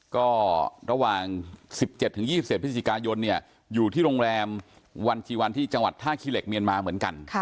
ก็ระหว่าง๑๗๒๗พฤศจิกายนอยู่ที่โรงแรมวันจีวันที่จังหวัดท่าขี้เหล็กเมียนมาเหมือนกัน